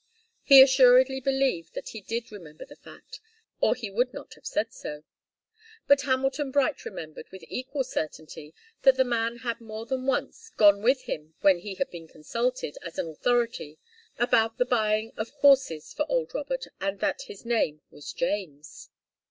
He assuredly believed that he did remember the fact, or he would not have said so. But Hamilton Bright remembered, with equal certainty, that the man had more than once gone with him when he had been consulted, as an authority, about the buying of horses for old Robert, and that his name was James.